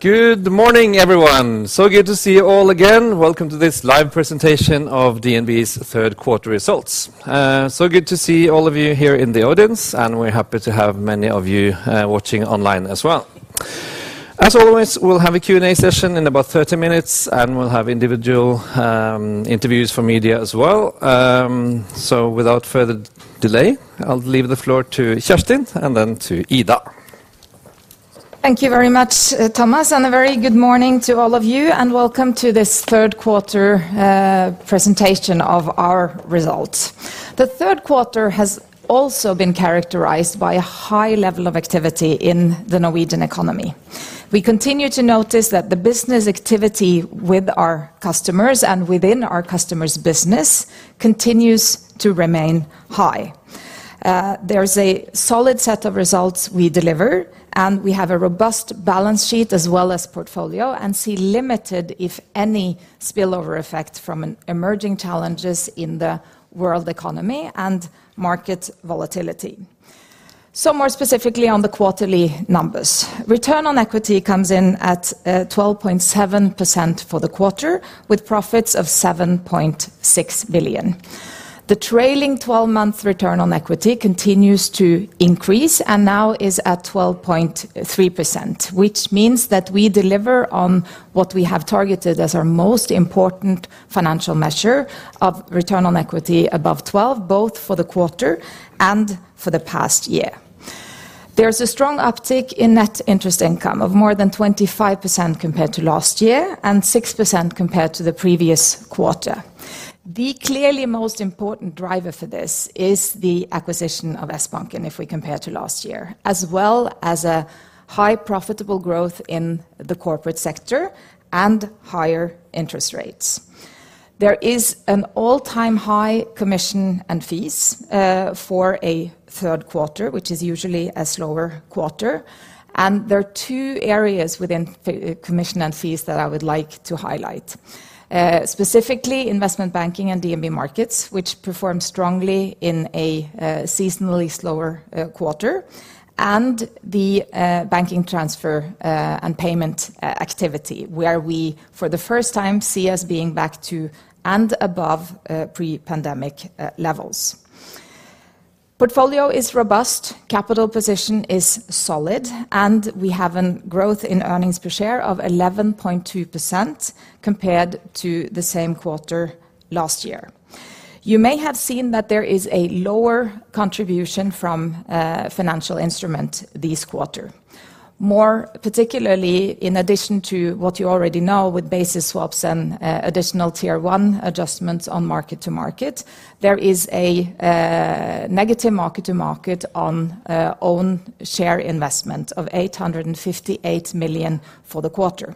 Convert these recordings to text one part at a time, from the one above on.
Good morning, everyone. Good to see you all again. Welcome to this live presentation of DNB's third quarter results. Good to see all of you here in the audience, and we're happy to have many of you watching online as well. As always, we'll have a Q&A session in about 30 minutes, and we'll have individual interviews for media as well. Without further delay, I'll leave the floor to Kjerstin and then to Ida. Thank you very much, Thomas, and a very good morning to all of you. Welcome to this third quarter presentation of our results. The third quarter has also been characterized by a high level of activity in the Norwegian economy. We continue to notice that the business activity with our customers and within our customers' business continues to remain high. There's a solid set of results we deliver, and we have a robust balance sheet as well as a portfolio, and we see limited, if any, spillover effect from any emerging challenges in the world economy and market volatility. More specifically on the quarterly numbers. Return on equity comes in at 12.7% for the quarter, with profits of 7.6 billion. The trailing 12-month return on equity continues to increase and now is at 12.3%, which means that we deliver on what we have targeted as our most important financial measure of return on equity above 12, both for the quarter and for the past year. There's a strong uptick in net interest income of more than 25% compared to last year and 6% compared to the previous quarter. The clearly most important driver for this is the acquisition of Sbanken if we compare to last year, as well as a high profitable growth in the corporate sector and higher interest rates. There is an all-time high commission and fees for a third quarter, which is usually a slower quarter, and there are two areas within commission and fees that I would like to highlight. Specifically investment banking and DNB Markets, which perform strongly in a seasonally slower quarter, and the banking, transfer and payment activity, where we, for the first time, see us being back to and above pre-pandemic levels. Portfolio is robust, capital position is solid, and we have a growth in earnings per share of 11.2% compared to the same quarter last year. You may have seen that there is a lower contribution from financial instruments this quarter. More particularly, in addition to what you already know with basis swap and additional Tier 1 adjustments on mark-to-market, there is a negative mark-to-market on own share investment of 858 million for the quarter.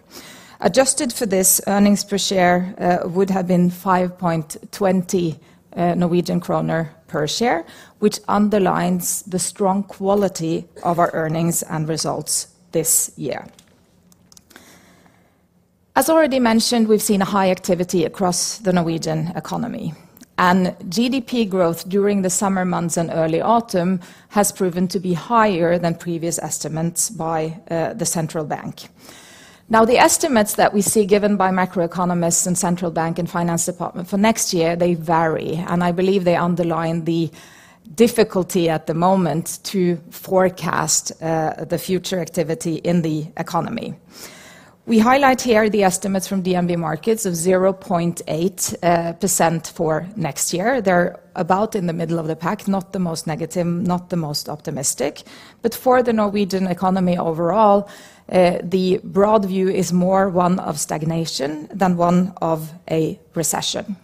Adjusted for this, earnings per share would have been 5.2 Norwegian kroner per share, which underlines the strong quality of our earnings and results this year. As already mentioned, we've seen a high activity across the Norwegian economy, and GDP growth during the summer months and early autumn has proven to be higher than previous estimates by the central bank. Now, the estimates that we see given by macroeconomists and central bank and finance department for next year, they vary, and I believe they underline the difficulty at the moment to forecast the future activity in the economy. We highlight here the estimates from DNB Markets of 0.8% for next year. They're about in the middle of the pack, not the most negative, not the most optimistic. For the Norwegian economy overall, the broad view is more one of stagnation than one of a recession.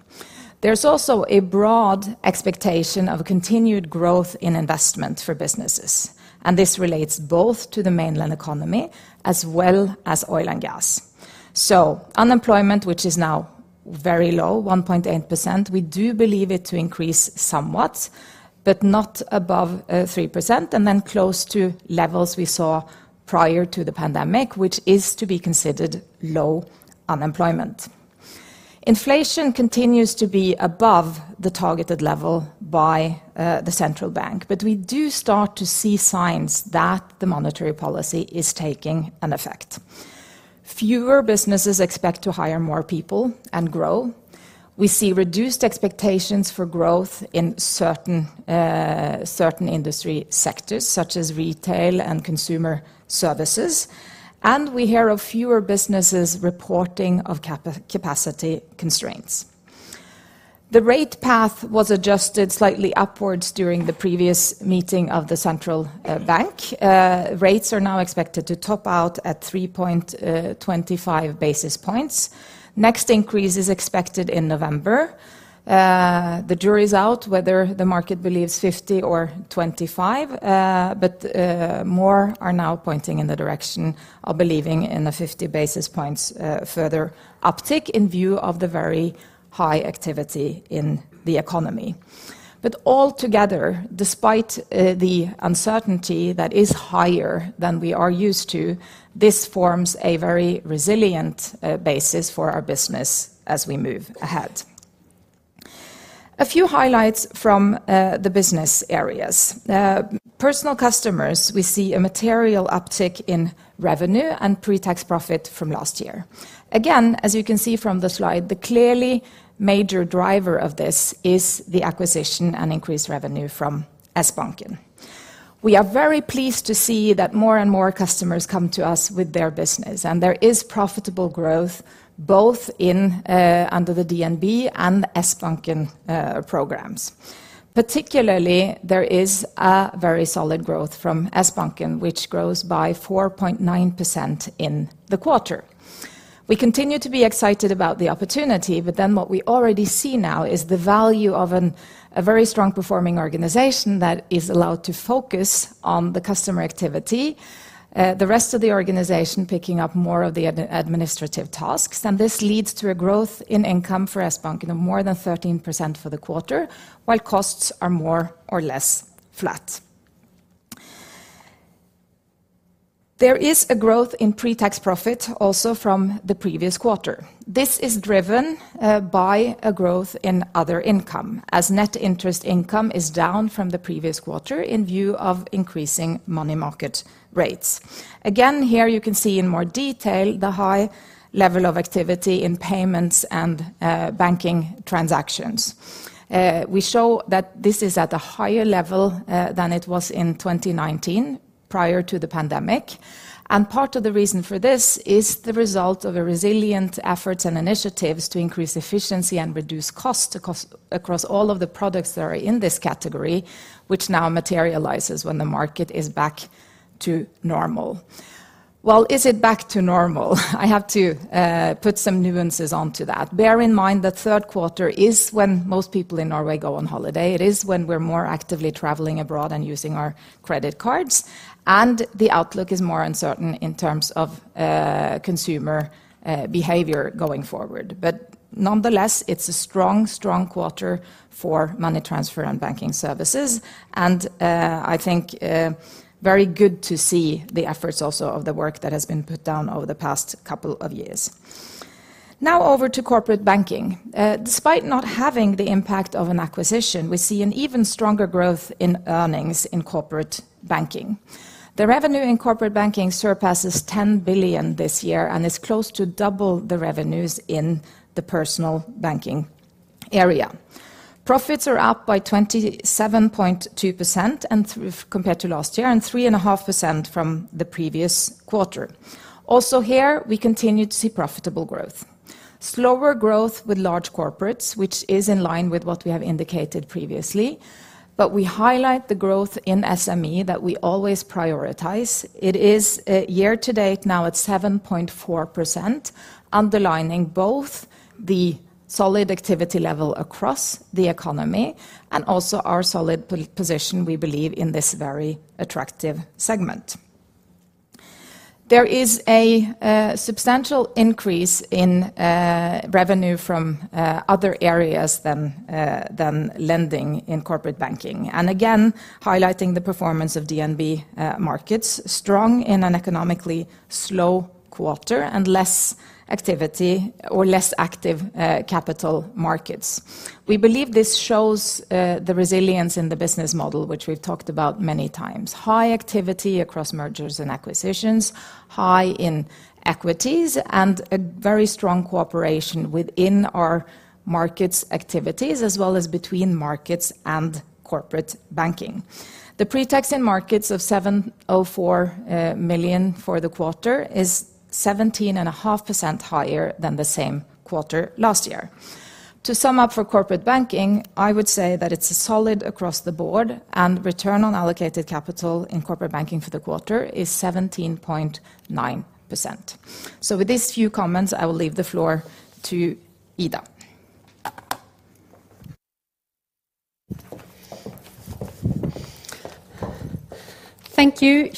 There's also a broad expectation of continued growth in investment for businesses, and this relates both to the mainland economy as well as oil and gas. Unemployment, which is now very low, 1.8%, we do believe it to increase somewhat, but not above 3%, and then close to levels we saw prior to the pandemic, which is to be considered low unemployment. Inflation continues to be above the targeted level by the central bank, but we do start to see signs that the monetary policy is taking an effect. Fewer businesses expect to hire more people and grow. We see reduced expectations for growth in certain industry sectors, such as retail and consumer services, and we hear of fewer businesses reporting of capacity constraints. The rate path was adjusted slightly upwards during the previous meeting of the central bank. Rates are now expected to top out at 3.25 basis points. Next increase is expected in November. The jury's out whether the market believes 50 or 25, but more are now pointing in the direction of believing in a 50 basis points further uptick in view of the very high activity in the economy. Altogether, despite the uncertainty that is higher than we are used to, this forms a very resilient basis for our business as we move ahead. A few highlights from the business areas. Personal customers, we see a material uptick in revenue and pre-tax profit from last year. Again, as you can see from the slide, the clearly major driver of this is the acquisition and increased revenue from Sbanken. We are very pleased to see that more and more customers come to us with their business, and there is profitable growth both in and under the DNB and Sbanken programs. Particularly, there is a very solid growth from Sbanken, which grows by 4.9% in the quarter. We continue to be excited about the opportunity, but then what we already see now is the value of a very strong performing organization that is allowed to focus on the customer activity. The rest of the organization picking up more of the administrative tasks, and this leads to a growth in income for Sbanken of more than 13% for the quarter, while costs are more or less flat. There is a growth in pre-tax profit also from the previous quarter. This is driven by a growth in other income, as net interest income is down from the previous quarter in view of increasing money market rates. Again, here you can see in more detail the high level of activity in payments and banking transactions. We show that this is at a higher level than it was in 2019 prior to the pandemic. Part of the reason for this is the result of a resilient efforts and initiatives to increase efficiency and reduce costs across all of the products that are in this category, which now materializes when the market is back to normal. Well, is it back to normal? I have to put some nuances onto that. Bear in mind that third quarter is when most people in Norway go on holiday. It is when we're more actively traveling abroad and using our credit cards, and the outlook is more uncertain in terms of consumer behavior going forward. But nonetheless, it's a strong quarter for money transfer and banking services, and I think very good to see the efforts also of the work that has been put down over the past couple of years. Now over to Corporate Banking. Despite not having the impact of an acquisition, we see an even stronger growth in earnings in Corporate Banking. The revenue in Corporate Banking surpasses 10 billion this year and is close to double the revenues in the personal banking area. Profits are up by 27.2% compared to last year, and 3.5% from the previous quarter. Also here, we continue to see profitable growth. Slower growth with large corporates, which is in line with what we have indicated previously. We highlight the growth in SME that we always prioritize. It is year to date now at 7.4%, underlining both the solid activity level across the economy and also our solid position, we believe, in this very attractive segment. There is a substantial increase in revenue from other areas than lending in Corporate Banking. Again, highlighting the performance of DNB Markets, strong in an economically slow quarter and less activity or less active capital markets. We believe this shows the resilience in the business model, which we've talked about many times. High activity across mergers and acquisitions, high in equities, and a very strong cooperation within our Markets activities, as well as between Markets and Corporate Banking. The pre-tax in Markets of 704 million for the quarter is 17.5% higher than the same quarter last year. To sum up for corporate banking, I would say that it's solid across the board and return on allocated capital in Corporate Banking for the quarter is 17.9%. With these few comments, I will leave the floor to Ida. Thank you,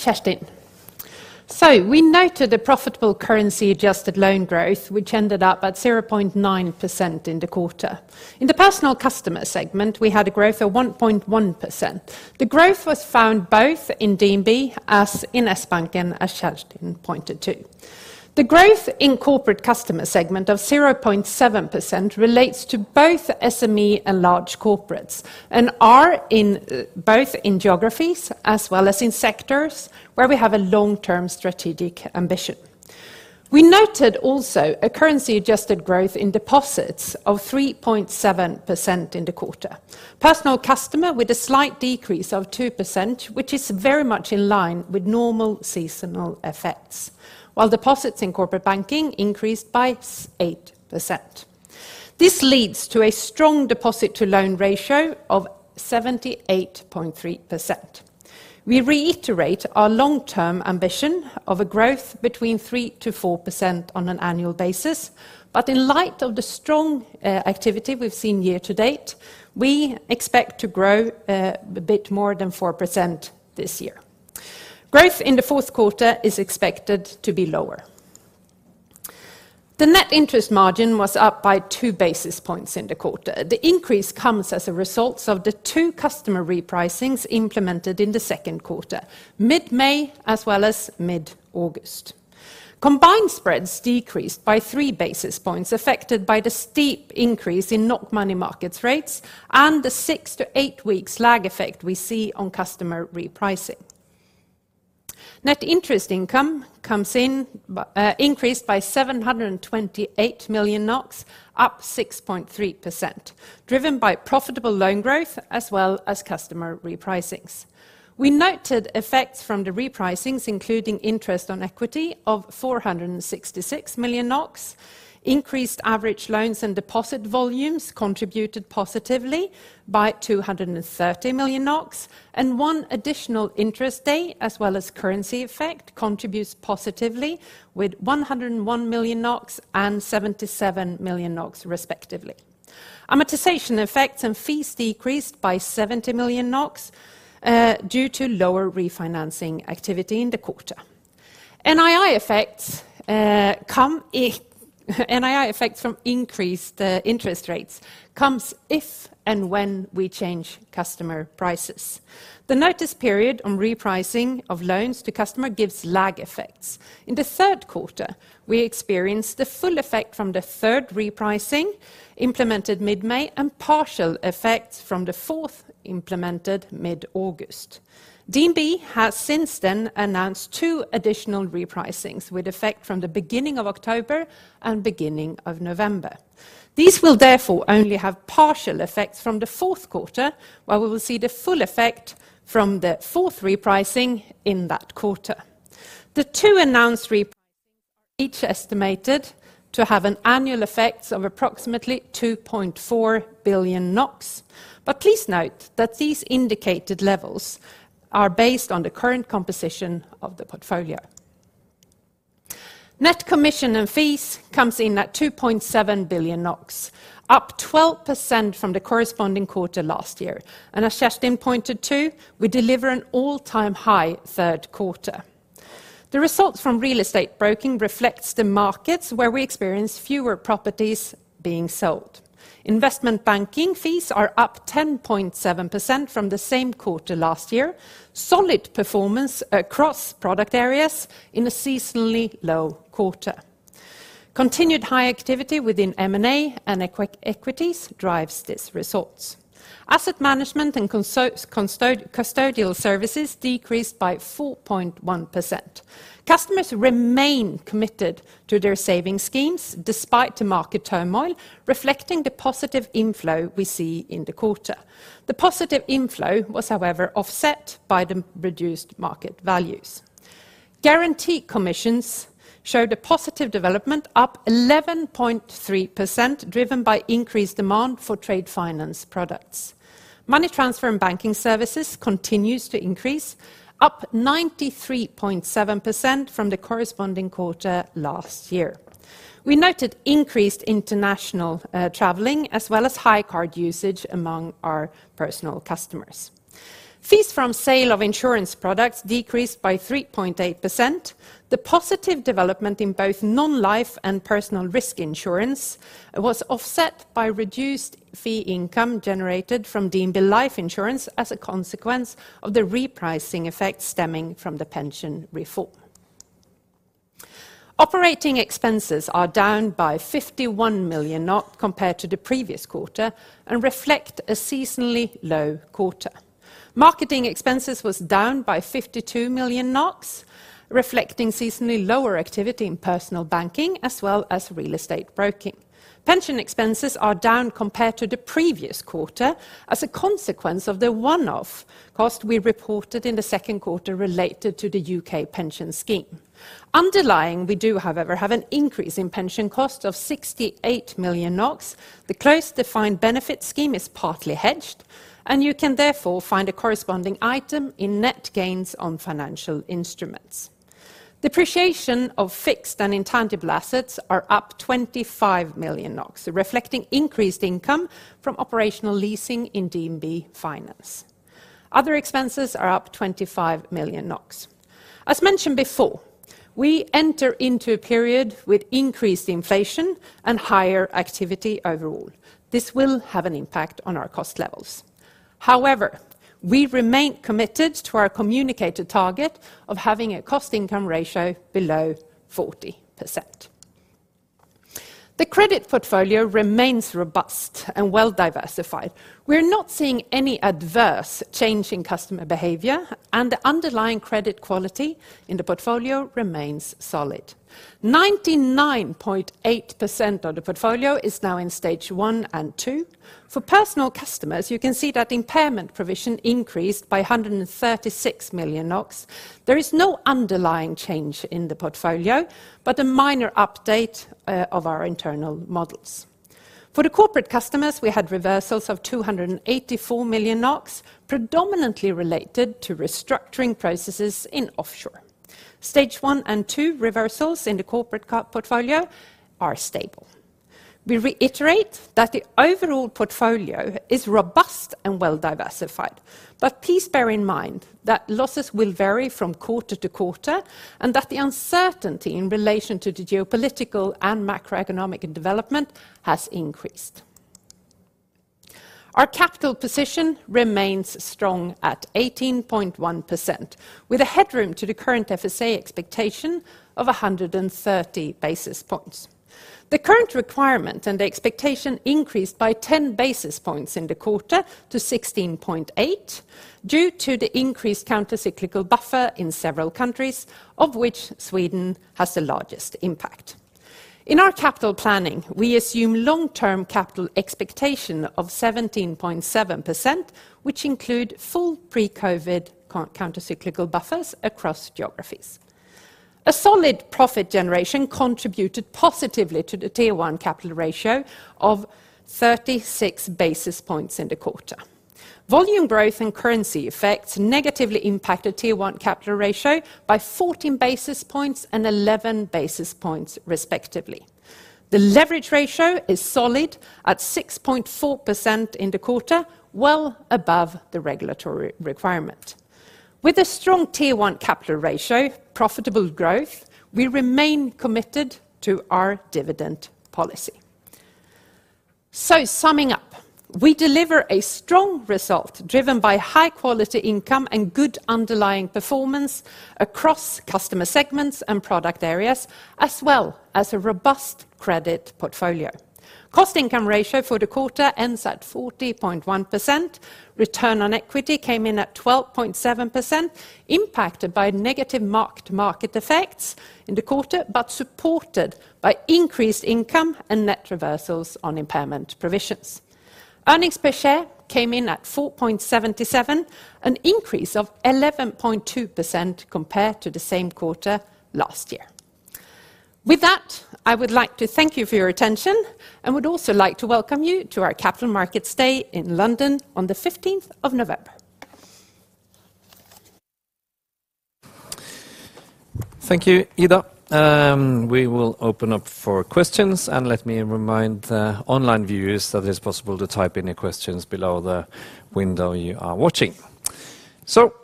Kjerstin. We noted a profitable currency adjusted loan growth, which ended up at 0.9% in the quarter. In the personal customer segment, we had a growth of 1.1%. The growth was found both in DNB and in Sbanken, as Kjerstin pointed to. The growth in corporate customer segment of 0.7% relates to both SME and large corporates, and are in both in geographies as well as in sectors where we have a long-term strategic ambition. We noted also a currency adjusted growth in deposits of 3.7% in the quarter. Personal customer with a slight decrease of 2%, which is very much in line with normal seasonal effects, while deposits in Corporate Banking increased by 8%. This leads to a strong deposit to loan ratio of 78.3%. We reiterate our long-term ambition of a growth between 3%-4% on an annual basis, but in light of the strong activity we've seen year to date, we expect to grow a bit more than 4% this year. Growth in the fourth quarter is expected to be lower. The net interest margin was up by 2 basis points in the quarter. The increase comes as a result of the two customer repricings implemented in the second quarter, mid-May as well as mid-August. Combined spreads decreased by 3 basis points affected by the steep increase in NOK money market rates and the 6-8 weeks lag effect we see on customer repricing. Net interest income increased by 728 million NOK, up 6.3%, driven by profitable loan growth as well as customer repricings. We noted effects from the repricings, including interest on equity of 466 million NOK. Increased average loans and deposit volumes contributed positively by 230 million NOK, and one additional interest day, as well as currency effect, contributes positively with 101 million NOK and 77 million NOK respectively. Amortization effects and fees decreased by 70 million NOK due to lower refinancing activity in the quarter. NII effects from increased interest rates comes if and when we change customer prices. The notice period on repricing of loans to customer gives lag effects. In the third quarter, we experienced the full effect from the third repricing implemented mid-May and partial effects from the fourth implemented mid-August. DNB has since then announced two additional repricings with effect from the beginning of October and beginning of November. These will therefore only have partial effects from the fourth quarter, while we will see the full effect from the fourth repricing in that quarter. The two announced repricing are each estimated to have an annual effects of approximately 2.4 billion NOK. Please note that these indicated levels are based on the current composition of the portfolio. Net commission and fees comes in at 2.7 billion NOK, up 12% from the corresponding quarter last year. As Kjerstin pointed to, we deliver an all-time high third quarter. The results from real estate broking reflects the markets where we experience fewer properties being sold. Investment banking fees are up 10.7% from the same quarter last year. Solid performance across product areas in a seasonally low quarter. Continued high activity within M&A and equities drives these results. Asset management and custodial services decreased by 4.1%. Customers remain committed to their saving schemes despite the market turmoil reflecting the positive inflow we see in the quarter. The positive inflow was, however, offset by the reduced market values. Guarantee commissions showed a positive development up 11.3% driven by increased demand for trade finance products. Money transfer and banking services continues to increase up 93.7% from the corresponding quarter last year. We noted increased international traveling as well as high card usage among our personal customers. Fees from sale of insurance products decreased by 3.8%. The positive development in both non-life and personal risk insurance was offset by reduced fee income generated from DNB Life Insurance as a consequence of the repricing effect stemming from the pension reform. Operating expenses are down by 51 million compared to the previous quarter and reflect a seasonally low quarter. Marketing expenses was down by 52 million NOK, reflecting seasonally lower activity in personal banking as well as real estate broking. Pension expenses are down compared to the previous quarter as a consequence of the one-off cost we reported in the second quarter related to the UK pension scheme. Underlying, we do, however, have an increase in pension cost of 68 million NOK. The closed defined benefit scheme is partly hedged, and you can therefore find a corresponding item in net gains on financial instruments. Depreciation of fixed and intangible assets are up 25 million NOK, reflecting increased income from operational leasing in DNB Finance. Other expenses are up 25 million NOK. As mentioned before, we enter into a period with increased inflation and higher activity overall. This will have an impact on our cost levels. However, we remain committed to our communicated target of having a cost-income ratio below 40%. The credit portfolio remains robust and well-diversified. We're not seeing any adverse change in customer behavior, and the underlying credit quality in the portfolio remains solid. 99.8% of the portfolio is now in stage 1 and 2. For personal customers, you can see that impairment provision increased by 136 million NOK. There is no underlying change in the portfolio, but a minor update of our internal models. For the corporate customers, we had reversals of 284 million NOK, predominantly related to restructuring processes in offshore. Stage one and two reversals in the corporate portfolio are stable. We reiterate that the overall portfolio is robust and well-diversified. Please bear in mind that losses will vary from quarter to quarter, and that the uncertainty in relation to the geopolitical and macroeconomic development has increased. Our capital position remains strong at 18.1%, with a headroom to the current FSA expectation of 130 basis points. The current requirement and the expectation increased by 10 basis points in the quarter to 16.8 due to the increased countercyclical buffer in several countries, of which Sweden has the largest impact. In our capital planning, we assume long-term capital expectation of 17.7%, which include full pre-COVID countercyclical buffers across geographies. A solid profit generation contributed positively to the Tier 1 capital ratio of 36 basis points in the quarter. Volume growth and currency effects negatively impacted Tier 1 capital ratio by 14 basis points and 11 basis points respectively. The leverage ratio is solid at 6.4% in the quarter, well above the regulatory requirement. With a strong Tier 1 capital ratio, profitable growth, we remain committed to our dividend policy. Summing up, we deliver a strong result driven by high quality income and good underlying performance across customer segments and product areas, as well as a robust credit portfolio. Cost-income ratio for the quarter ends at 40.1%. Return on equity came in at 12.7%, impacted by negative mark-to-market effects in the quarter, but supported by increased income and net reversals on impairment provisions. Earnings per share came in at 4.77, an increase of 11.2% compared to the same quarter last year. With that, I would like to thank you for your attention and would also like to welcome you to our Capital Markets Day in London on the 15th of November. Thank you, Ida. We will open up for questions, and let me remind the online viewers that it is possible to type any questions below the window you are watching.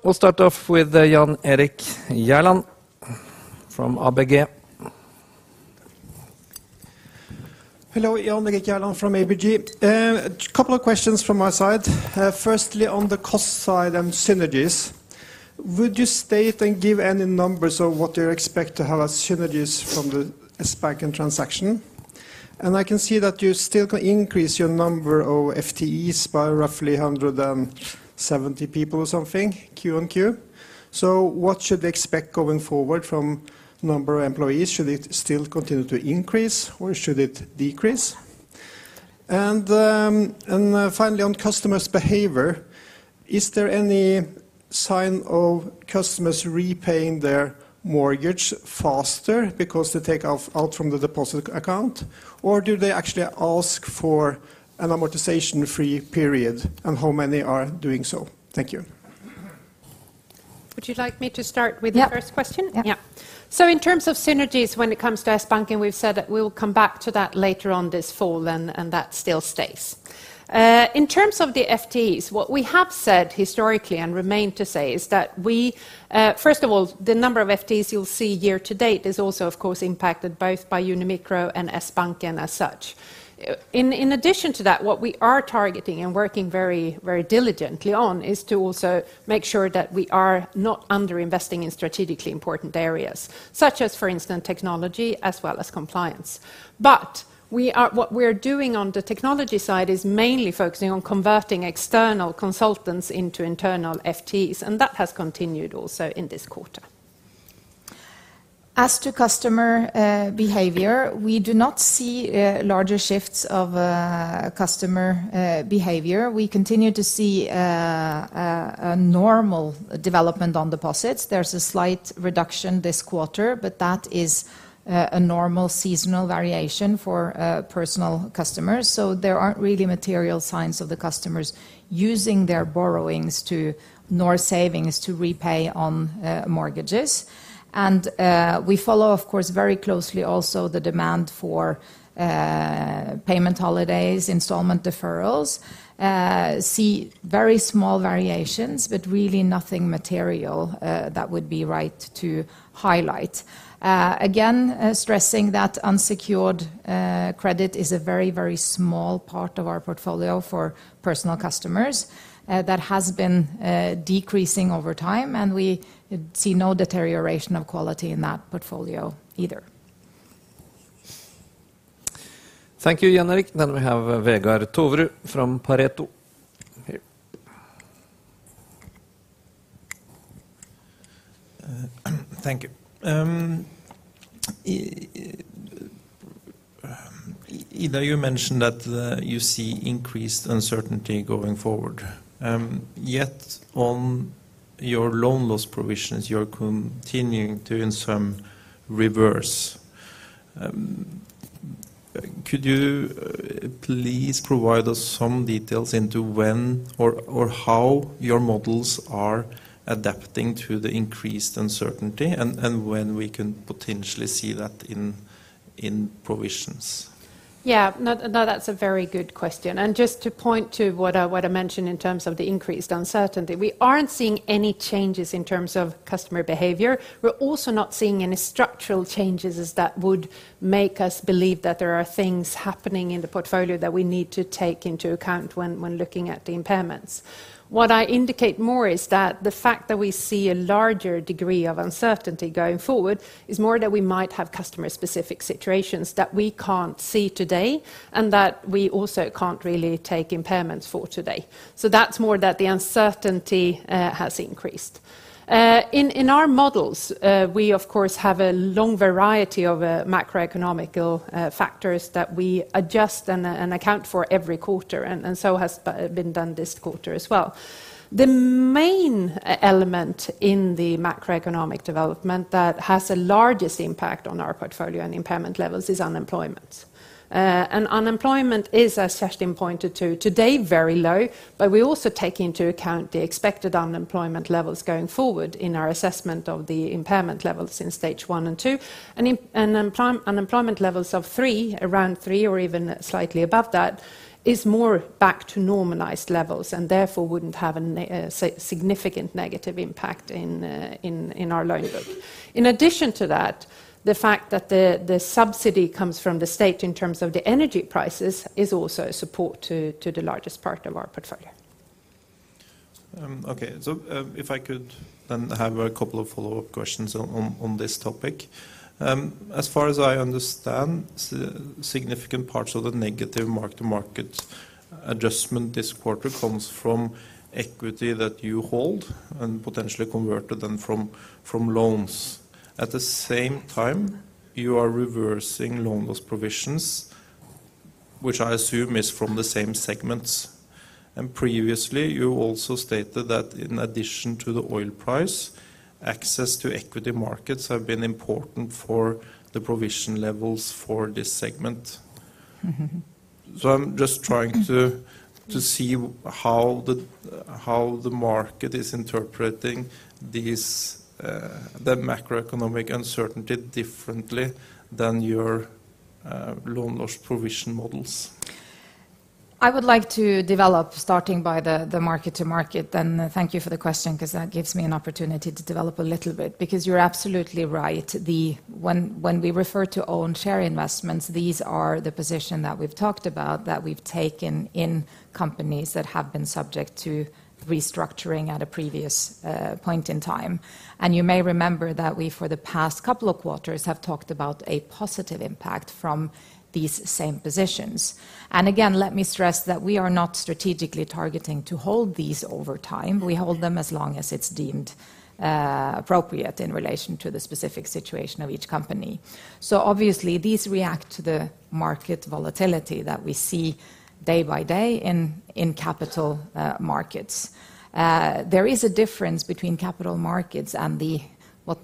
We'll start off with Jan Erik Gjerland from ABG. Hello, Jan Erik Gjerland from ABG. A couple of questions from my side. Firstly, on the cost side and synergies. Would you state and give any numbers of what you expect to have as synergies from the Sbanken transaction? I can see that you still can increase your number of FTEs by roughly 170 people or something quarter-on-quarter. What should we expect going forward from number of employees? Should it still continue to increase, or should it decrease? Finally, on customers' behavior, is there any sign of customers repaying their mortgage faster because they take out from the deposit account, or do they actually ask for an amortization-free period, and how many are doing so? Thank you. Would you like me to start with the first question? Yeah. In terms of synergies, when it comes to Sbanken, we've said that we will come back to that later on this fall, and that still stays. In terms of the FTEs, what we have said historically and remain to say is that we first of all, the number of FTEs you'll see year to date is also of course impacted both by Luminor and Sbanken as such. In addition to that, what we are targeting and working very, very diligently on is to also make sure that we are not under investing in strategically important areas, such as for instance technology as well as compliance. But what we're doing on the technology side is mainly focusing on converting external consultants into internal FTEs, and that has continued also in this quarter. As to customer behavior, we do not see larger shifts of customer behavior. We continue to see a normal development on deposits. There's a slight reduction this quarter, but that is a normal seasonal variation for personal customers. There aren't really material signs of the customers using their borrowings nor savings to repay on mortgages. We follow of course very closely also the demand for payment holidays, installment deferrals, see very small variations, but really nothing material that would be right to highlight. Again, stressing that unsecured credit is a very, very small part of our portfolio for personal customers that has been decreasing over time, and we see no deterioration of quality in that portfolio either. Thank you, Jan Erik. We have Vegard Toverud from Pareto. Here. Thank you. Ida, you mentioned that you see increased uncertainty going forward. Yet on your loan loss provisions, you're continuing to reverse some. Could you please provide us some details on when or how your models are adapting to the increased uncertainty and when we can potentially see that in provisions? Yeah. No, no, that's a very good question. Just to point to what I mentioned in terms of the increased uncertainty, we aren't seeing any changes in terms of customer behavior. We're also not seeing any structural changes as that would make us believe that there are things happening in the portfolio that we need to take into account when looking at the impairments. What I indicate more is that the fact that we see a larger degree of uncertainty going forward is more that we might have customer specific situations that we can't see today and that we also can't really take impairments for today. That's more that the uncertainty has increased. In our models, we of course have a long variety of macroeconomic factors that we adjust and account for every quarter, and so has been done this quarter as well. The main element in the macroeconomic development that has the largest impact on our portfolio and impairment levels is unemployment. Unemployment is, as Kjerstin pointed to, today very low, but we also take into account the expected unemployment levels going forward in our assessment of the impairment levels in stage 1 and 2. Unemployment levels of 3%, around 3% or even slightly above that is more back to normalized levels and therefore wouldn't have a significant negative impact in our loan book. In addition to that, the fact that the subsidy comes from the state in terms of the energy prices is also a support to the largest part of our portfolio. If I could then have a couple of follow-up questions on this topic. As far as I understand, significant parts of the negative mark to market adjustment this quarter comes from equity that you hold and potentially converted them from loans. At the same time, you are reversing loan loss provisions, which I assume is from the same segments. Previously, you also stated that in addition to the oil price, access to equity markets have been important for the provision levels for this segment. Mm-hmm. I'm just trying to see how the market is interpreting these, the macroeconomic uncertainty differently than your loan loss provision models. I would like to develop starting by the mark-to-market. Thank you for the question, because that gives me an opportunity to develop a little bit. Because you're absolutely right. When we refer to own share investments, these are the positions that we've talked about that we've taken in companies that have been subject to restructuring at a previous point in time. You may remember that we, for the past couple of quarters, have talked about a positive impact from these same positions. Again, let me stress that we are not strategically targeting to hold these over time. We hold them as long as it's deemed appropriate in relation to the specific situation of each company. Obviously these react to the market volatility that we see day by day in capital markets. There is a difference between capital markets and the, what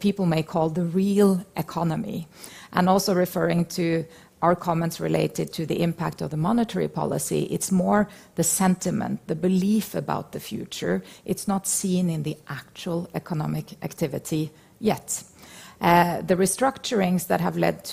people may call the real economy. Also referring to our comments related to the impact of the monetary policy, it's more the sentiment, the belief about the future. It's not seen in the actual economic activity yet. The restructurings that have led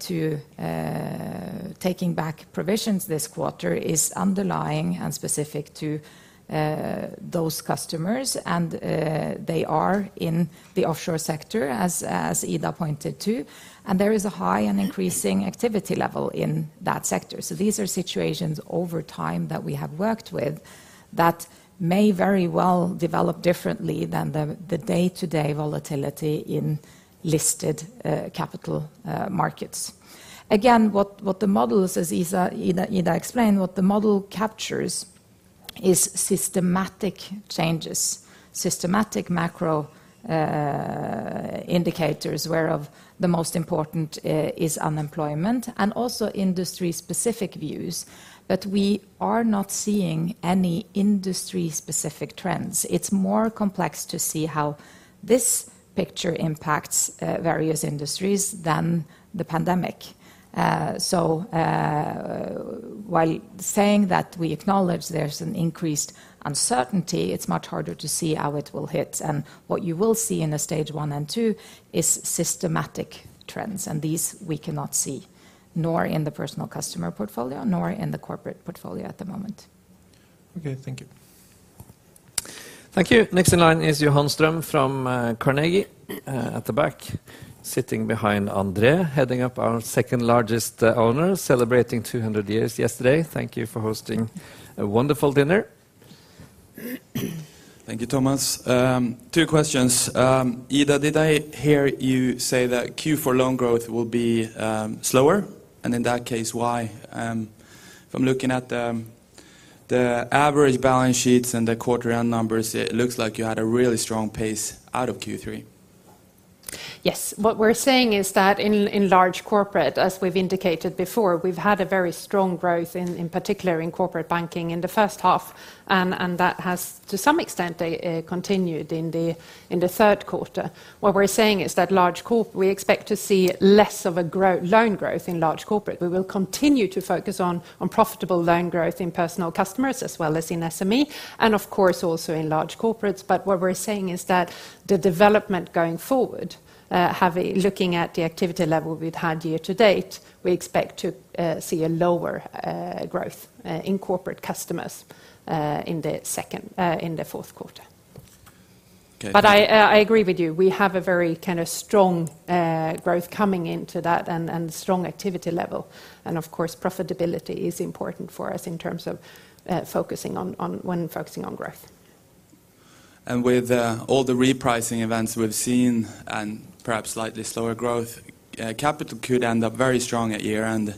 to taking back provisions this quarter is underlying and specific to those customers, and they are in the offshore sector, as Ida pointed to. There is a high and increasing activity level in that sector. These are situations over time that we have worked with that may very well develop differently than the day-to-day volatility in listed capital markets. Again, what the models, as Ida explained, what the model captures is systematic changes, systematic macro indicators, whereof the most important is unemployment and also industry-specific views. We are not seeing any industry-specific trends. It's more complex to see how this picture impacts various industries than the pandemic. While saying that we acknowledge there's an increased uncertainty, it's much harder to see how it will hit. What you will see in the stage one and two is systematic trends, and these we cannot see, nor in the personal customer portfolio, nor in the corporate portfolio at the moment. Okay, thank you. Thank you. Next in line is Johan Ström from Carnegie, at the back, sitting behind Andre, heading up our second largest owner, celebrating 200 years yesterday. Thank you for hosting a wonderful dinner. Thank you, Thomas. Two questions. Ida, did I hear you say that Q4 loan growth will be slower? In that case, why? If I'm looking at the average balance sheets and the quarter end numbers, it looks like you had a really strong pace out of Q3. Yes. What we're saying is that in large corporate, as we've indicated before, we've had a very strong growth in particular in Corporate Banking in the first half, and that has to some extent continued in the third quarter. What we're saying is that we expect to see less of a loan growth in large corporate. We will continue to focus on profitable loan growth in personal customers as well as in SME and of course also in large corporates. What we're saying is that the development going forward, looking at the activity level we've had year to date, we expect to see a lower growth in corporate customers in the fourth quarter. Okay. I agree with you. We have a very kind of strong growth coming into that and strong activity level. Of course, profitability is important for us in terms of focusing on growth. With all the repricing events we've seen and perhaps slightly slower growth, capital could end up very strong at year-end.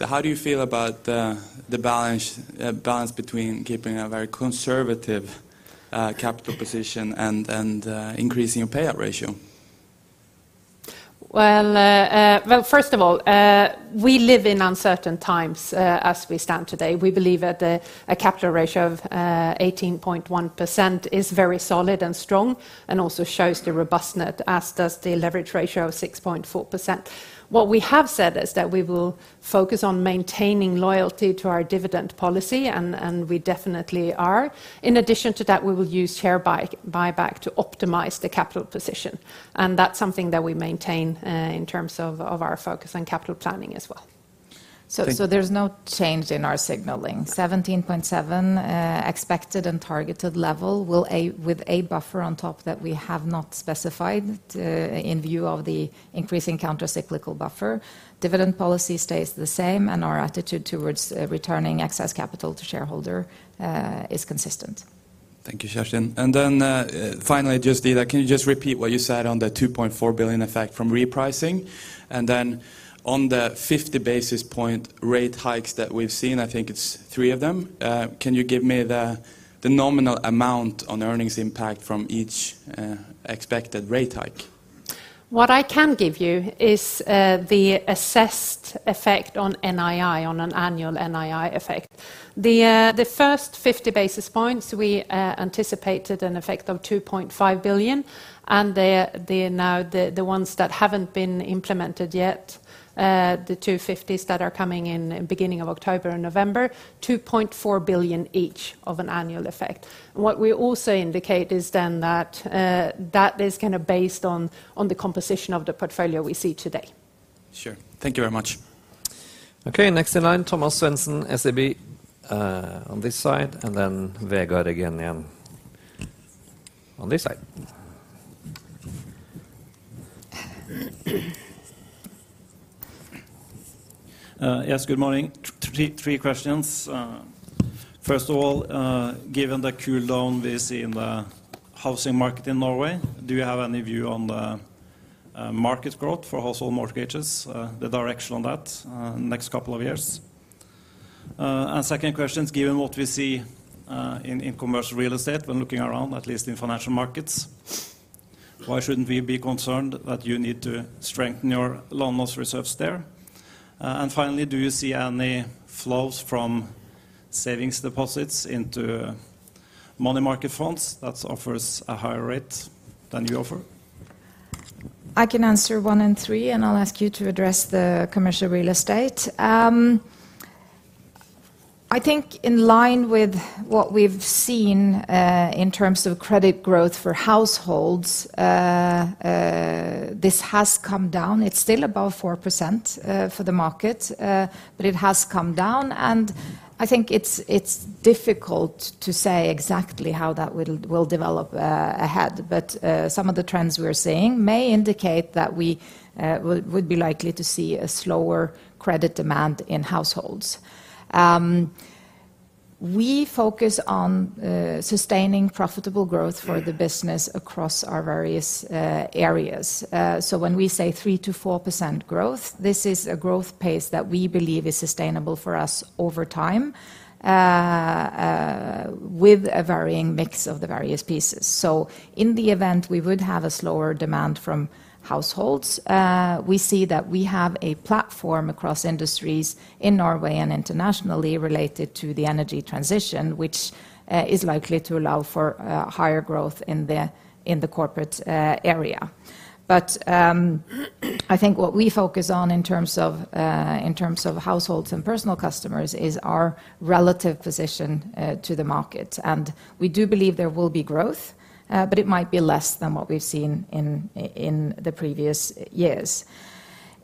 How do you feel about the balance between keeping a very conservative capital position and increasing your payout ratio? First of all, we live in uncertain times, as we stand today. We believe that a capital ratio of 18.1% is very solid and strong and also shows the robustness, as does the leverage ratio of 6.4%. What we have said is that we will focus on maintaining loyalty to our dividend policy, and we definitely are. In addition to that, we will use share buy-back to optimize the capital position, and that's something that we maintain in terms of our focus on capital planning as well. Thank- There's no change in our signaling. 17.7% expected and targeted level with a buffer on top that we have not specified in view of the increasing countercyclical capital buffer. Dividend policy stays the same, and our attitude towards returning excess capital to shareholder is consistent. Thank you, Kjerstin. Finally, just Ida, can you just repeat what you said on the 2.4 billion effect from repricing? On the 50 basis point rate hikes that we've seen, I think it's three of them, can you give me the nominal amount on earnings impact from each expected rate hike? What I can give you is the assessed effect on NII, on an annual NII effect. The first 50 basis points, we anticipated an effect of 2.5 billion, and they're now the ones that haven't been implemented yet, the two 50s that are coming in beginning of October and November, 2.4 billion each of an annual effect. What we also indicate is then that that is kinda based on the composition of the portfolio we see today. Sure. Thank you very much. Okay. Next in line, Thomas Svendsen, SEB, on this side, and then Vegard Toverud on this side. Yes, good morning. Three questions. First of all, given the cool down we see in the housing market in Norway, do you have any view on the market growth for household mortgages, the direction on that, next couple of years? Second question is, given what we see in commercial real estate when looking around at least in financial markets, why shouldn't we be concerned that you need to strengthen your loan loss reserves there? Finally, do you see any flows from savings deposits into money market funds that offers a higher rate than you offer? I can answer one and three, and I'll ask you to address the commercial real estate. I think in line with what we've seen in terms of credit growth for households, this has come down. It's still above 4% for the market, but it has come down. I think it's difficult to say exactly how that will develop ahead. Some of the trends we're seeing may indicate that we would be likely to see a slower credit demand in households. We focus on sustaining profitable growth for the business across our various areas. So when we say 3%-4% growth, this is a growth pace that we believe is sustainable for us over time with a varying mix of the various pieces. In the event we would have a slower demand from households, we see that we have a platform across industries in Norway and internationally related to the energy transition, which is likely to allow for higher growth in the corporate area. I think what we focus on in terms of households and personal customers is our relative position to the market. We do believe there will be growth, but it might be less than what we've seen in the previous years.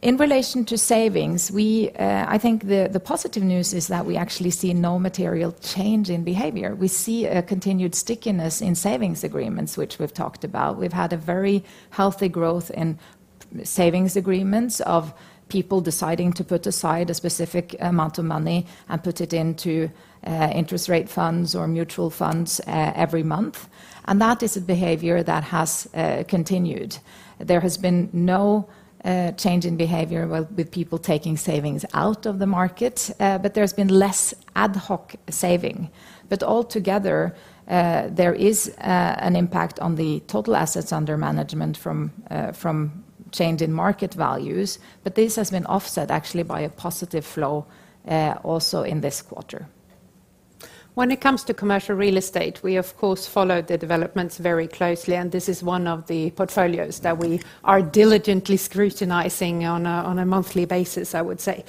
In relation to savings, we, I think the positive news is that we actually see no material change in behavior. We see a continued stickiness in savings agreements, which we've talked about. We've had a very healthy growth in savings agreements of people deciding to put aside a specific amount of money and put it into interest rate funds or mutual funds every month, and that is a behavior that has continued. There has been no change in behavior with people taking savings out of the market, but there's been less ad hoc saving. Altogether, there is an impact on the total assets under management from change in market values, but this has been offset actually by a positive flow also in this quarter. When it comes to commercial real estate, we of course follow the developments very closely, and this is one of the portfolios that we are diligently scrutinizing on a monthly basis, I would say.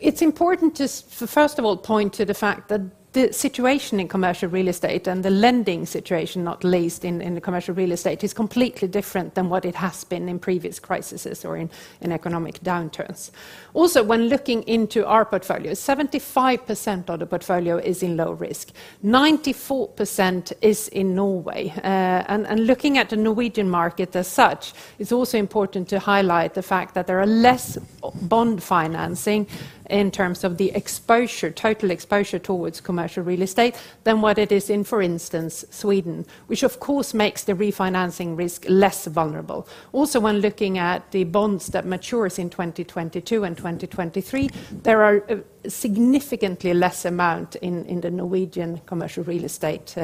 It's important to first of all point to the fact that the situation in commercial real estate and the lending situation, not least in the commercial real estate, is completely different than what it has been in previous crises or in economic downturns. Also, when looking into our portfolio, 75% of the portfolio is in low risk, 94% is in Norway. And looking at the Norwegian market as such, it's also important to highlight the fact that there are less bond financing in terms of the exposure, total exposure towards commercial real estate than what it is in, for instance, Sweden, which of course makes the refinancing risk less vulnerable. Also, when looking at the bonds that matures in 2022 and 2023, there are significantly less amount in the Norwegian commercial real estate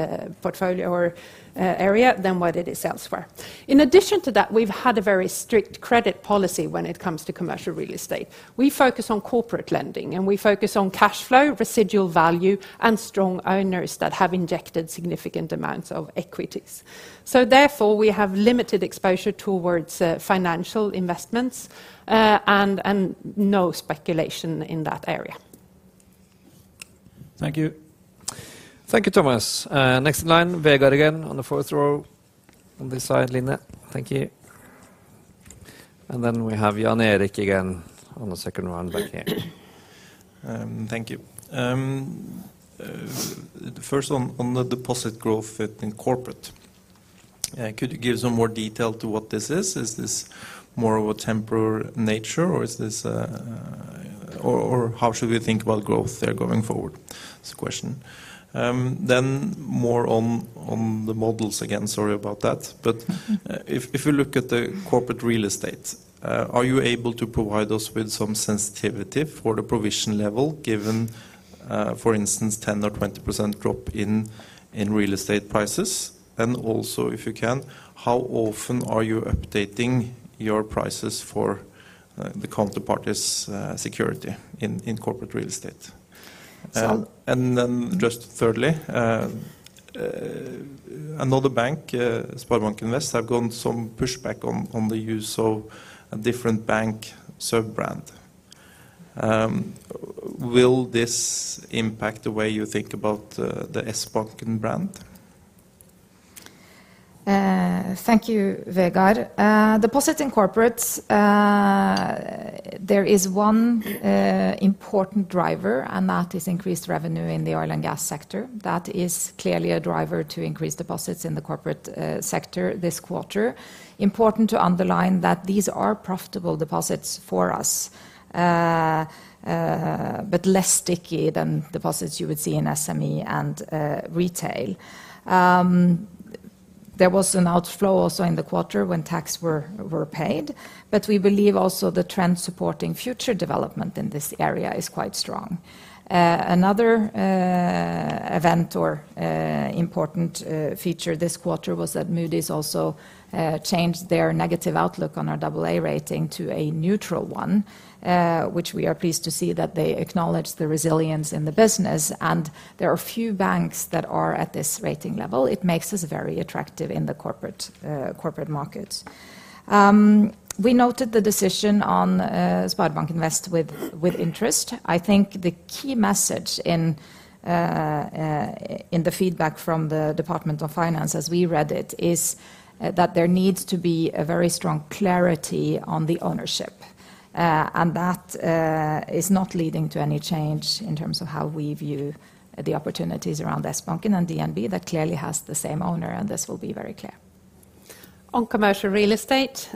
portfolio or area than what it is elsewhere. In addition to that, we've had a very strict credit policy when it comes to commercial real estate. We focus on corporate lending, and we focus on cash flow, residual value, and strong owners that have injected significant amounts of equities. Therefore, we have limited exposure towards financial investments and no speculation in that area. Thank you. Thank you, Thomas. Next in line, Vegard again on the fourth row on this side. Line? Thank you. Then we have Jan Erik again on the second one back here. Thank you. First on the deposit growth in corporate, could you give some more detail to what this is? Is this more of a temporary nature, or how should we think about growth there going forward is the question. More on the models again. Sorry about that. If you look at the corporate real estate, are you able to provide us with some sensitivity for the provision level given, for instance, 10% or 20% drop in real estate prices? And also, if you can, how often are you updating your prices for the counterparties' security in corporate real estate? So- Just thirdly, another bank, SpareBank 1, have gotten some pushback on the use of a different bank sub-brand. Will this impact the way you think about the Sbanken brand? Thank you, Vegard. Deposits in corporates, there is one important driver, and that is increased revenue in the oil and gas sector. That is clearly a driver to increase deposits in the corporate sector this quarter. Important to underline that these are profitable deposits for us, but less sticky than deposits you would see in SME and retail. There was an outflow also in the quarter when tax were paid, but we believe also the trend supporting future development in this area is quite strong. Another event or important feature this quarter was that Moody's also changed their negative outlook on our AA-rating to a neutral one, which we are pleased to see that they acknowledge the resilience in the business, and there are few banks that are at this rating level. It makes us very attractive in the corporate market. We noted the decision on SpareBank 1 with interest. I think the key message in the feedback from the Ministry of Finance as we read it is that there needs to be a very strong clarity on the ownership, and that is not leading to any change in terms of how we view the opportunities around Sbanken and DNB. That clearly has the same owner, and this will be very clear. On commercial real estate,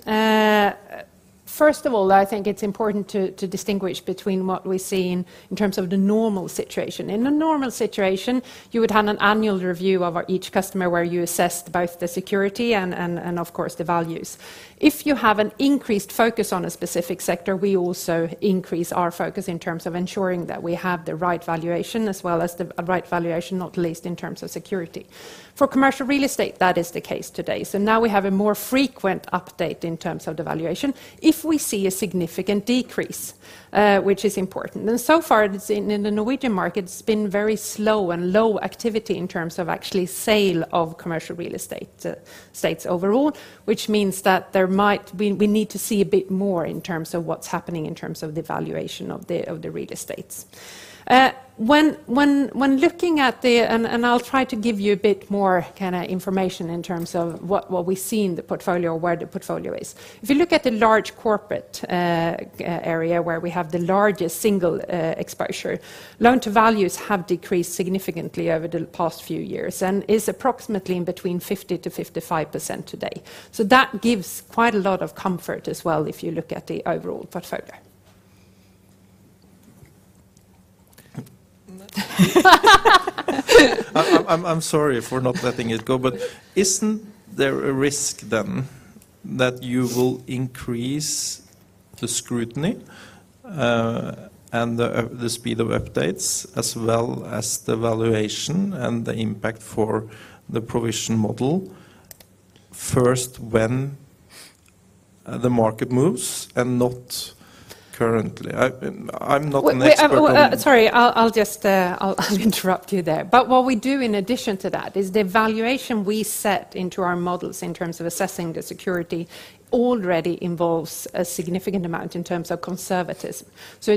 first of all, I think it's important to distinguish between what we see in terms of the normal situation. In a normal situation, you would have an annual review of our each customer where you assess both the security and of course the values. If you have an increased focus on a specific sector, we also increase our focus in terms of ensuring that we have the right valuation, not least in terms of security. For commercial real estate, that is the case today. Now we have a more frequent update in terms of the valuation if we see a significant decrease, which is important. So far, in the Norwegian market, it's been very slow and low activity in terms of actual sale of commercial real estate overall, which means that there might. We need to see a bit more in terms of what's happening in terms of the valuation of the real estates. When looking at the. I'll try to give you a bit more kinda information in terms of what we see in the portfolio or where the portfolio is. If you look at the large corporate area where we have the largest single exposure, loan-to-values have decreased significantly over the past few years and is approximately between 50%-55% today. That gives quite a lot of comfort as well if you look at the overall portfolio. I'm sorry for not letting it go, but isn't there a risk then that you will increase the scrutiny, and the speed of updates as well as the valuation and the impact for the provision model first when the market moves and not currently? I'm not an expert on- Sorry, I'll just interrupt you there. What we do in addition to that is the valuation we set into our models in terms of assessing the security already involves a significant amount in terms of conservatism.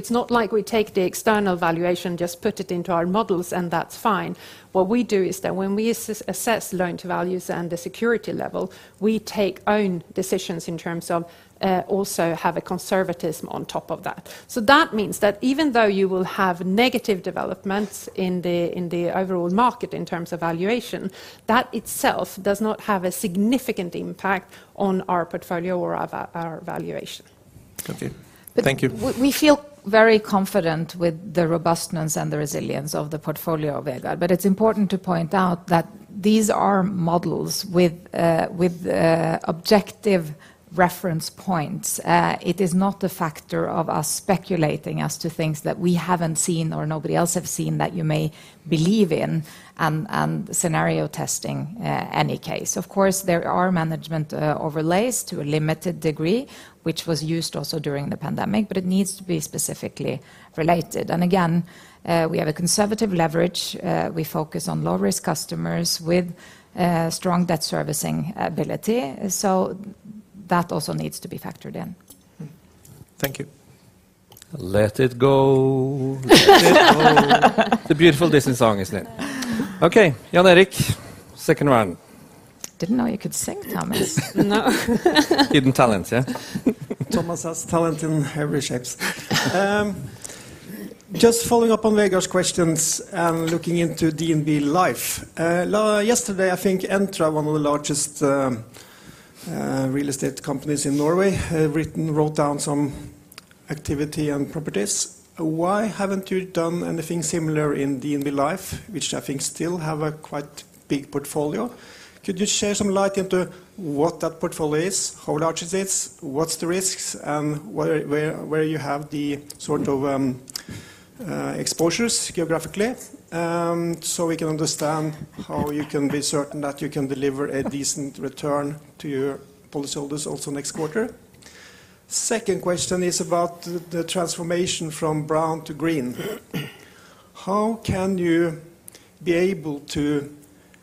It's not like we take the external valuation, just put it into our models, and that's fine. What we do is that when we assess loan-to-values and the security level, we take our own decisions in terms of also having a conservatism on top of that. That means that even though you will have negative developments in the overall market in terms of valuation, that itself does not have a significant impact on our portfolio or our valuation. Thank you. We feel very confident with the robustness and the resilience of the portfolio of Vegard, but it's important to point out that these are models with objective reference points. It is not a factor of us speculating as to things that we haven't seen or nobody else have seen that you may believe in and scenario testing in any case. Of course, there are management overlays to a limited degree, which was used also during the pandemic, but it needs to be specifically related. We have a conservative leverage, we focus on low-risk customers with strong debt servicing ability, so that also needs to be factored in. Thank you. Let it go. Let it go. The beautiful Disney song, isn't it? Okay, Jan Erik Gjerland, second round. Didn't know you could sing, Thomas. No. Hidden talent, yeah. Thomas has talent in every shapes. Just following up on Vegard Toverud's questions and looking into DNB Life. Yesterday, I think Entra, one of the largest real estate companies in Norway, wrote down some activity and properties. Why haven't you done anything similar in DNB Life, which I think still have a quite big portfolio? Could you shed some light into what that portfolio is? How large is it? What's the risks? And where you have the sort of exposures geographically, so we can understand how you can be certain that you can deliver a decent return to your policyholders also next quarter. Second question is about the transformation from brown to green. How can you be able to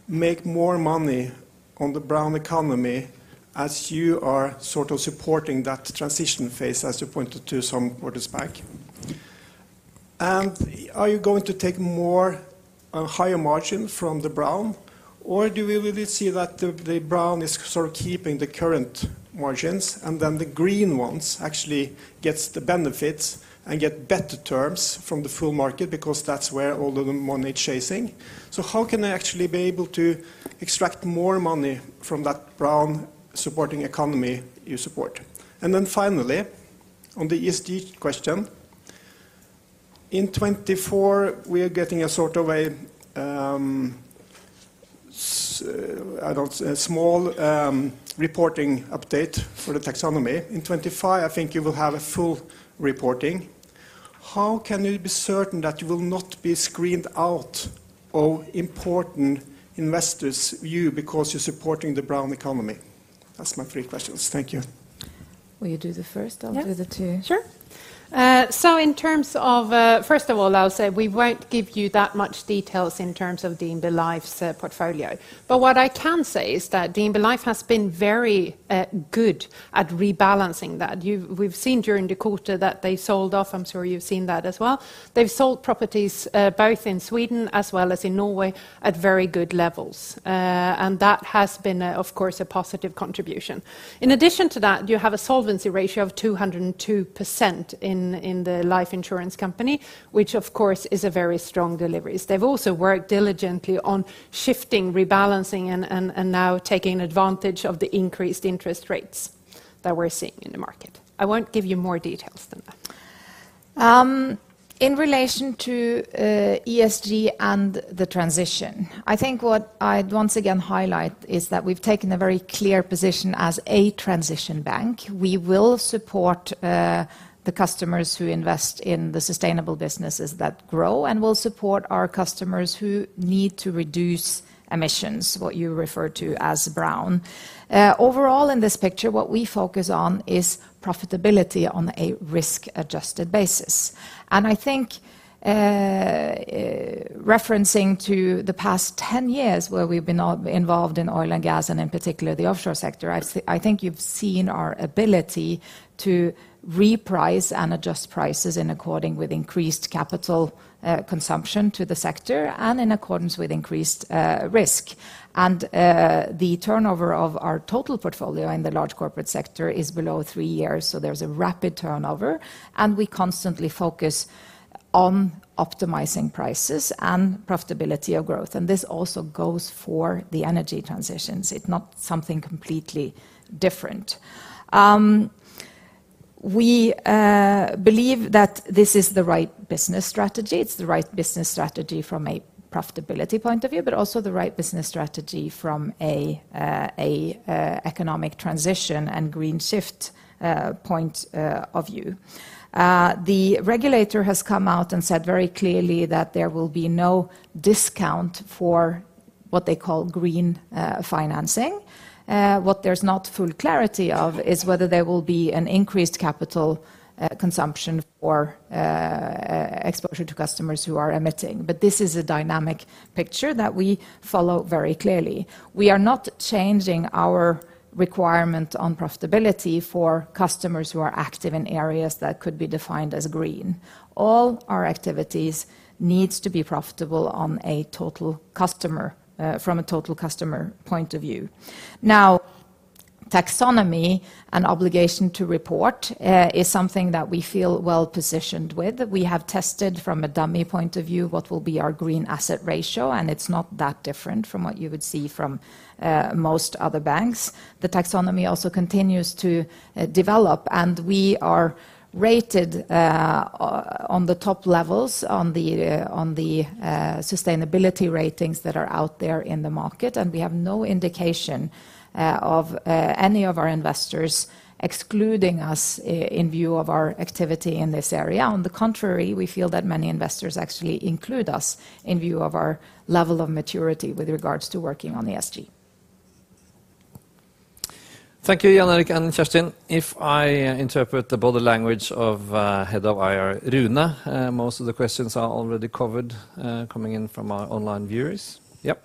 make more money on the brown economy as you are sort of supporting that transition phase, as you pointed to some quarters back? Are you going to take more higher margin from the brown? Or do we really see that the brown is sort of keeping the current margins and then the green ones actually gets the benefits and get better terms from the whole market because that's where all of the money is chasing. How can I actually be able to extract more money from that brown supporting economy you support? Then finally, on the ESG question, in 2024, we are getting sort of a small reporting update for the taxonomy. In 2025, I think you will have a full reporting. How can you be certain that you will not be screened out of important investors' view because you're supporting the brown economy? That's my three questions. Thank you. Will you do the first? Yeah. I'll do the two. Sure. In terms of, first of all, I'll say we won't give you that much details in terms of DNB Life's portfolio. What I can say is that DNB Life has been very good at rebalancing that. We've seen during the quarter that they sold off, I'm sure you've seen that as well. They've sold properties, both in Sweden as well as in Norway at very good levels. That has been, of course, a positive contribution. In addition to that, you have a solvency ratio of 202% in the life insurance company, which of course is a very strong position. They've also worked diligently on shifting, rebalancing, and now taking advantage of the increased interest rates that we're seeing in the market. I won't give you more details than that. In relation to ESG and the transition, I think what I'd once again highlight is that we've taken a very clear position as a transition bank. We will support the customers who invest in the sustainable businesses that grow and will support our customers who need to reduce emissions, what you refer to as brown. Overall in this picture, what we focus on is profitability on a risk-adjusted basis. I think, referencing to the past 10 years where we've been involved in oil and gas, and in particular the offshore sector, I think you've seen our ability to reprice and adjust prices in accordance with increased capital consumption to the sector and in accordance with increased risk. The turnover of our total portfolio in the large corporate sector is below three years, so there's a rapid turnover, and we constantly focus on optimizing prices and profitability of growth. This also goes for the energy transitions. It's not something completely different. We believe that this is the right business strategy. It's the right business strategy from a profitability point of view, but also the right business strategy from a economic transition and green shift point of view. The regulator has come out and said very clearly that there will be no discount for what they call green financing. What there's not full clarity of is whether there will be an increased capital consumption for exposure to customers who are emitting. This is a dynamic picture that we follow very clearly. We are not changing our requirement on profitability for customers who are active in areas that could be defined as green. All our activities needs to be profitable on a total customer, from a total customer point of view. Now, taxonomy and obligation to report, is something that we feel well-positioned with. We have tested from a dummy point of view what will be our Green Asset Ratio, and it's not that different from what you would see from, most other banks. The taxonomy also continues to develop, and we are rated on the top levels on the, sustainability ratings that are out there in the market, and we have no indication of, any of our investors excluding us in view of our activity in this area. On the contrary, we feel that many investors actually include us in view of our level of maturity with regards to working on ESG. Thank you, Jan Erik and Kjerstin. If I interpret the body language of Head of IR, Rune, most of the questions are already covered coming in from our online viewers. Yep.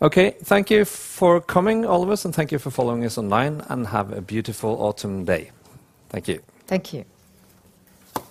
Okay. Thank you for coming, all of us, and thank you for following us online, and have a beautiful autumn day. Thank you. Thank you.